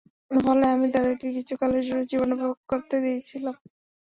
ফলে আমি তাদেরকে কিছু কালের জন্য জীবনোপভোগ করতে দিয়েছিলাম।